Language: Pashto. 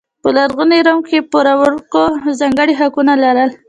په لرغوني روم کې پور ورکوونکو ځانګړي حقونه لرل.